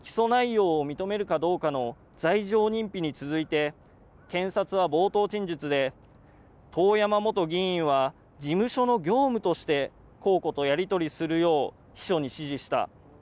起訴内容を認めるかどうかの罪状認否に続いて検察は冒頭陳述で遠山元議員は事務所の業務として公庫とやり取りするよう秘書に指示した。